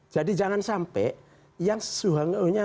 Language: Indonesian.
jadi jangan sampai yang